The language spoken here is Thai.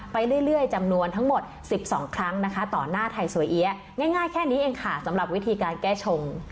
ไปเรื่อยจำนวนทั้งหมด๑๒ครั้งนะคะต่อหน้าไทยสวยเอี๊ยง่ายแค่นี้เองค่ะสำหรับวิธีการแก้ชง